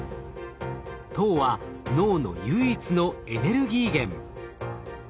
糖は脳の唯一のエネルギー源。